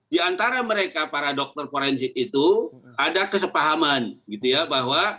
di antara mereka para dokter forensik itu ada kesepahaman gitu ya bahwa